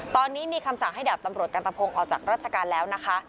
ตอนนี้มีคำสั่งให้ดาบตำรวจกันตะพงศ์ออกจากราชการแล้วนะคะ